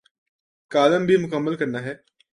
Column بھی مکمل کرنا ہے۔